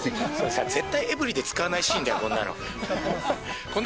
絶対エブリィで使わないシーンだよ、こんなの。